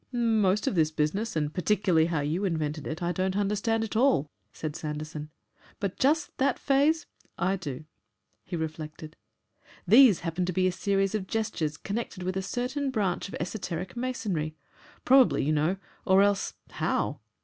"Most of this business, and particularly how you invented it, I don't understand at all," said Sanderson, "but just that phase I do." He reflected. "These happen to be a series of gestures connected with a certain branch of esoteric Masonry. Probably you know. Or else HOW?"